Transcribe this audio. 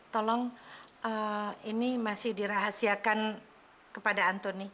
tolong ini masih dirahasiakan kepada antoni